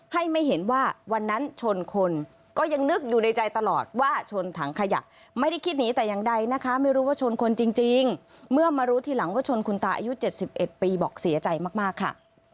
ให้ไม่เห็นว่าวันนั้นชนคนก็ยังนึกอยู่ในใจตลอดว่าชนถังขยะไม่ได้คิดหนีแต่อย่างใดนะคะไม่รู้ว่าชนคนจริงเมื่อมารู้ทีหลังว่าชนคุณตาอายุ๗๑ปีบอกเสียใจมากค่ะ